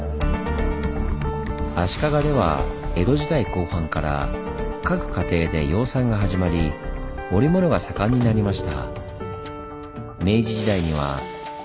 足利では江戸時代後半から各家庭で養蚕が始まり織物が盛んになりました。